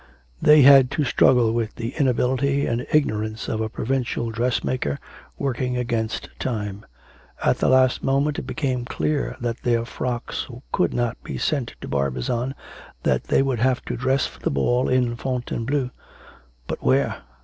They had to struggle with the inability and ignorance of a provincial dressmaker, working against time. At the last moment it became clear that their frocks could not be sent to Barbizon, that they would have to dress for the ball in Fontainebleau. But where!